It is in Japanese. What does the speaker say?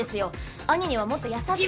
義兄にはもっと優しく。